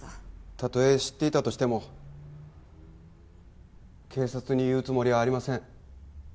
たとえ知っていたとしても警察に言うつもりはありません。